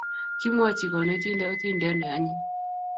Kimwochi konetinde otindiot ne anyiny